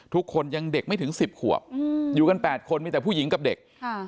ทุกคนยังเด็กไม่ถึงสิบขวบอยู่กัน๘คนมีแต่ผู้หญิงกับเด็กค่ะ